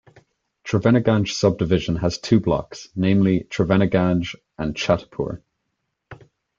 Triveniganj sub-division has two blocks, namely, Triveniganj and Chhatapur.